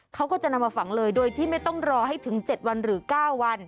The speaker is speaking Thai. เขาก็จะนำมาฝังเลยโดยที่ไม่ต้องรอให้ถึง๗วันหรือ๙วัน